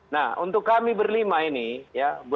nah untuk kami berlima ini ya